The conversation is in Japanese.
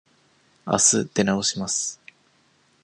あす出直します。